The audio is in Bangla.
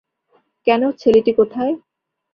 কেনো, ছেলেটি কোথায়?